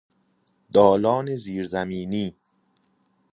دالان زیر زمینی